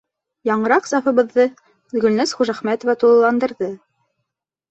Яңыраҡ сафыбыҙҙы Гөлназ Хужәхмәтова тулыландырҙы.